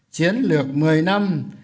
chiến lược một mươi năm